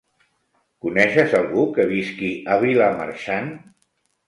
Coneixes algú que visqui a Vilamarxant?